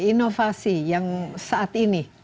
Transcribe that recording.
inovasi yang saat ini